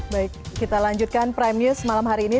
baik kita lanjutkan prime news malam hari ini